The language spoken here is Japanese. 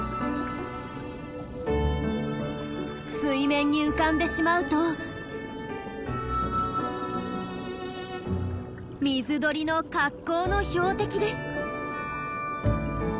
水面に浮かんでしまうと水鳥の格好の標的です。